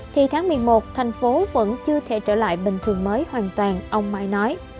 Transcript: thì tháng một mươi một thành phố vẫn chưa thể trở lại bình thường mới hoàn toàn ông mai nói